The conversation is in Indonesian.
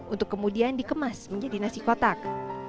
untuk kemudian dikemas menjadi nasi kotak